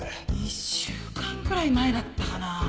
１週間くらい前だったかな。